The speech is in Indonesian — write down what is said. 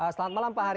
selamat malam pak hari